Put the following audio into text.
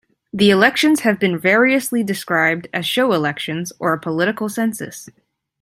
The elections have been variously described as show elections or a political census.